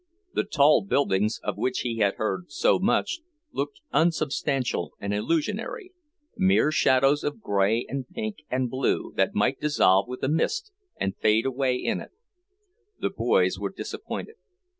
The tall buildings, of which he had heard so much, looked unsubstantial and illusionary, mere shadows of grey and pink and blue that might dissolve with the mist and fade away in it. The boys were disappointed.